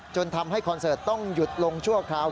จนทำให้คอนเสิร์ตต้องหยุดลงชั่วคราว